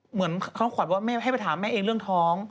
เหมือนเขาขวัญว่าแม่ให้ไปถามแม่เองเรื่องท้อง